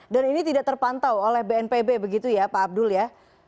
dan ini tidak terpantau oleh bnpb begitu ya pak abdul ya